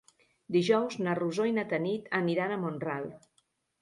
Dijous na Rosó i na Tanit aniran a Mont-ral.